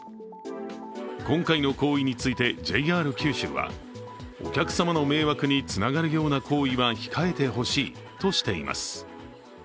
今回の行為についてＪＲ九州はお客様の迷惑につながるような行為は控えてほしいとしています。